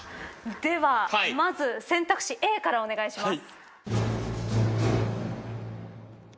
ではまず選択肢Ａからお願いします。